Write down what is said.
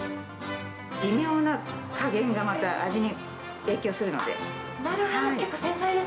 微妙な加減がまた、味に影響なるほど。